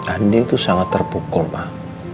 andin itu sangat terpukul mah